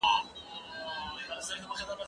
زه اوږده وخت واښه راوړم وم